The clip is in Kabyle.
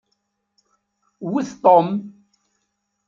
Wet Tom!